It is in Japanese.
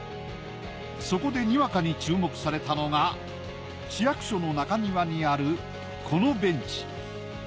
そこでにわかに注目されたのが市役所の中庭にあるこのベンチ。